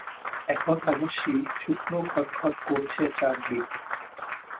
এখন অবশ্যি শুকনো খটখট করছে চারদিকে।